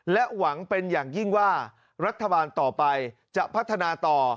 หวังเป็นอย่างยิ่งว่ารัฐบาลต่อไปจะพัฒนาต่อ